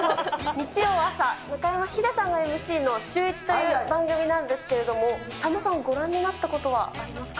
日曜朝、中山ヒデさんがＭＣのシューイチという番組なんですけれども、さんまさん、ご覧になったことはありますか？